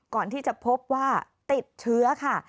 ก่อนที่จะพบว่าติดเชื้อค่ะ